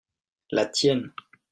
la tienne.